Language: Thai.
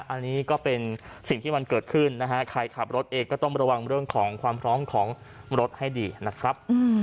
อันนี้ก็เป็นสิ่งที่มันเกิดขึ้นนะฮะใครขับรถเองก็ต้องระวังเรื่องของความพร้อมของรถให้ดีนะครับ